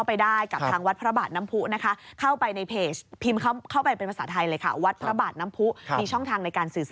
ไม่ว่าจะเป็นสิ่งของหรือว่าเงินทอง